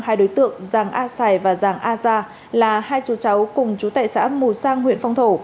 hai đối tượng giàng a sài và giàng a gia là hai chú cháu cùng chú tại xã mù sang huyện phong thổ